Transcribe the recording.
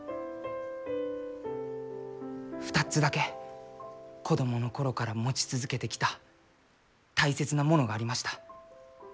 ２つだけ子供の頃から持ち続けてきた大切なものがありました。